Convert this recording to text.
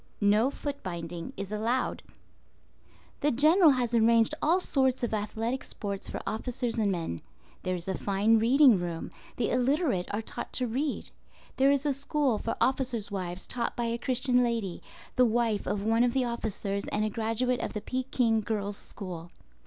No foot binding is allowed. The General has arranged all sorts of athletic sports for officers and men. There is a fine reading room; the illiterate are taught to read. There is a school for officers' wives taught by a Christian lady, the wife of one of the officers and a graduate of the Peking Girls' School.